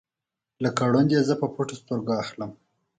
لکه ړوند یې زه په پټو سترګو اخلم